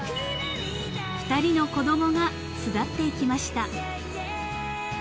［２人の子供が巣立っていきました］